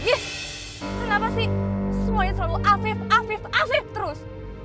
yes kenapa sih semuanya selalu afif afif afif terus